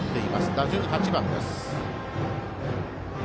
打順８番です。